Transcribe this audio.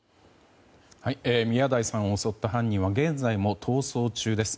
宮台さんを襲った犯人は現在も逃走中です。